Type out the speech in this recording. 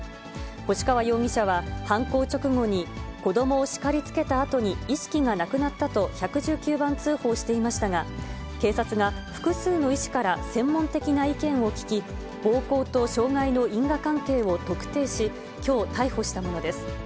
星川容疑者は、犯行直後に、子どもをしかりつけたあとに意識がなくなったと、１１９番通報していましたが、警察が、複数の医師から専門的な意見を聞き、暴行と障害の因果関係を特定し、きょう、逮捕したものです。